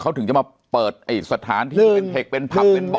เขาถึงจะมาเปิดไอ้สถานที่เป็นเผ็กเป็นผัพเป็นบอร์ต